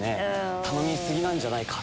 頼み過ぎなんじゃないか？